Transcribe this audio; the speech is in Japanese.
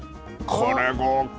これ、豪華。